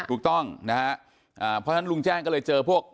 ถูกต้องนะฮะเพราะฉะนั้นลุงแจ้งก็เลยเจอพวก